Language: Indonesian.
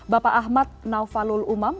bapak ahmad naufalul umam